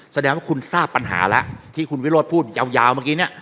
แสดงว่าคุณทราบปัญหาแล้วที่คุณวิโรธพูดยาวเมื่อกี้เนี่ย